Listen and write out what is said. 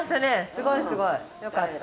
すごいすごい。よかった。